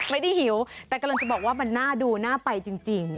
หิวแต่กำลังจะบอกว่ามันน่าดูน่าไปจริง